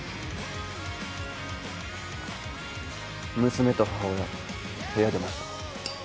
娘と母親部屋出ました。